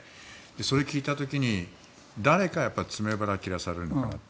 それを聞いた時に誰か詰め腹切らされるのかなと。